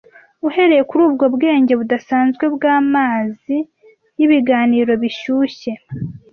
Uhereye kuri ubwo bwenge budasanzwe bwamazi yibiganiro bishyushye